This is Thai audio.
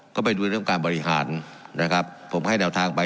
ก็ไปดูเรื่องการบริหารนะครับผมให้แนวทางไป